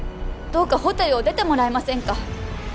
どうかホテルを出てもらえませんか